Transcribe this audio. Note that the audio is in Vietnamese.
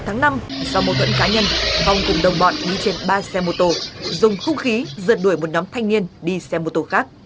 trong mối thuận cá nhân vòng cùng đồng bọn đi trên ba xe mô tô dùng khúc khí dợt đuổi một đám thanh niên đi xe mô tô khác